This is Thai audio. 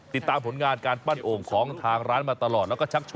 ติดตามผลงานการปั้นโอ่งของทางร้านมาตลอด